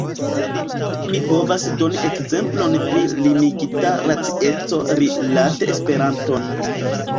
Mi povas doni ekzemplon pri limigita racieco rilate Esperanton.